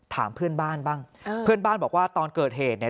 ถามเพื่อนบ้านบ้างเพื่อนบ้านบอกว่าตอนเกิดเหตุเนี่ย